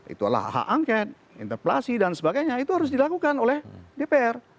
itulah hak angket interpelasi dan sebagainya itu harus dilakukan oleh dpr